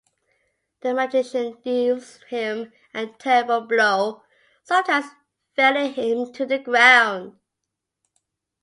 The magician deals him a terrible blow, sometimes felling him to the ground.